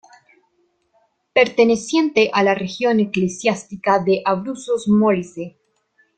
Perteneciente a la región eclesiástica de Abruzos-Molise.